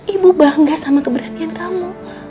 ibu bangga sama keberanian kamu